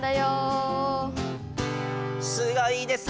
「すごいです」